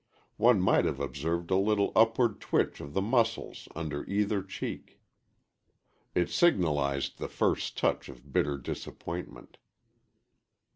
One might have observed a little upward twitch of the muscles under either cheek. It signalized the first touch of bitter disappointment.